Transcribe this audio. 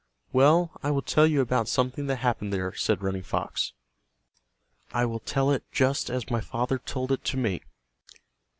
"Well, I will tell you about something that happened there," said Running Fox. "I will tell it just as my father told it to me.